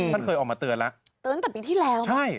เคยออกมาเตือนแล้วเตือนตั้งแต่ปีที่แล้วใช่